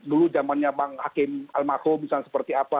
dulu zamannya bang hakim al mako misalnya seperti apa